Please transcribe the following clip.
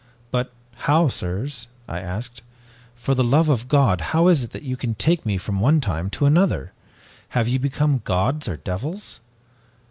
"'But how, sirs?' I asked. 'For the love of God, how is it that you can take me from one time to another? Have ye become gods or devils?'